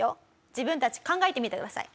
自分たち考えてみてください。